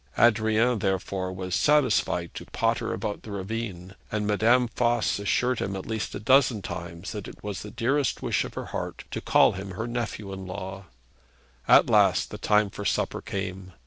Adrian therefore was satisfied to potter about the ravine, and Madame Voss assured him at least a dozen times that it was the dearest wish of her heart to call him her nephew in law. At last the time for supper came.